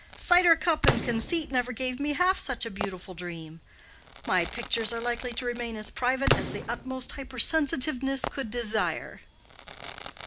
cider cup and conceit never gave me half such a beautiful dream. My pictures are likely to remain as private as the utmost hypersensitiveness could desire."